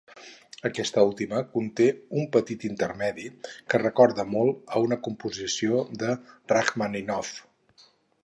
Aquesta última conté un petit intermedi que recorda molt a una composició de Rakhmàninov.